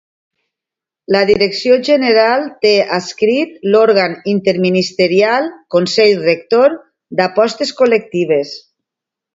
La direcció general té adscrit l'òrgan interministerial Consell Rector d'Apostes Col·lectives.